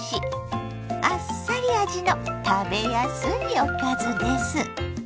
あっさり味の食べやすいおかずです。